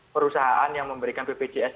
perusahaan yang memberikan bpjs